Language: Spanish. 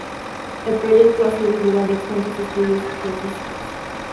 El proyecto ha sido lugar de extensos estudios geofísicos.